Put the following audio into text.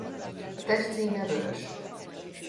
A testszíne vörös.